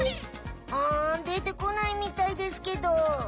うんでてこないみたいですけど。